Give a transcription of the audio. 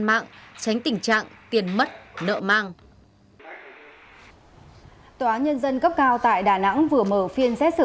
mạng tránh tình trạng tiền mất nợ mang tòa nhân dân cấp cao tại đà nẵng vừa mở phiên xét xử